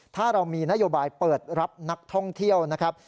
ถ้าเรามีนโยบายเปิดรับนักท่องเที่ยวนะครับ